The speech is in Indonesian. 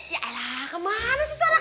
yaelah kemana sih tara